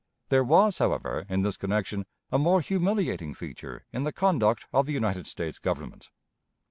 There was, however, in this connection, a more humiliating feature in the conduct of the United States Government.